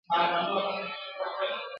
خپلواکي د هر ملت مسلم حق دئ.